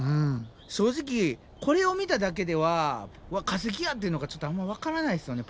正直これを見ただけでは「わっ化石や！」っていうのがちょっとあんま分からないですよね